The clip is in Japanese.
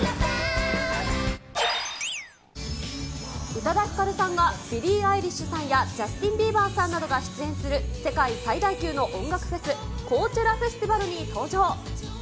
宇多田ヒカルさんが、ビリーアイリッシュさんやジャスティン・ビーバーさんなどが出演する世界最大級の音楽フェス、コーチェラ・フェスティバルに登場。